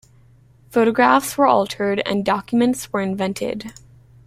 Photographs were altered and documents were invented.